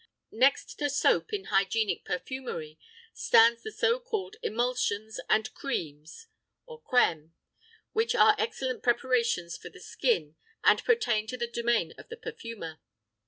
Next to soap in hygienic perfumery stand the so called emulsions and creams (crêmes) which are excellent preparations for the skin and pertain to the domain of the perfumer.